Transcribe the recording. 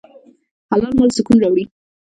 حلال مال سکون راوړي.